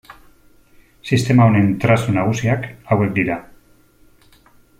Sistema honen trazu nagusiak hauek dira.